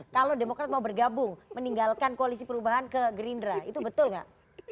kalau demokrat mau bergabung meninggalkan koalisi perubahan ke gerindra itu betul nggak